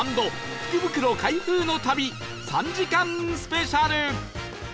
福袋開封の旅３時間スペシャル